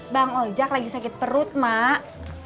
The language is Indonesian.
bang ojek lagi sakit perut mak